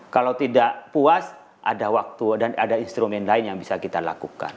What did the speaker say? kalau tidak puas ada waktu dan ada instrumen lain yang bisa kita lakukan